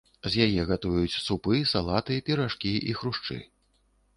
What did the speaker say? З яе гатуюць супы, салаты, піражкі і хрушчы.